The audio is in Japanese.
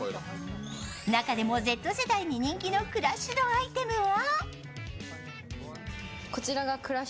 中でもＺ世代に人気のクラッシュドアイテムは？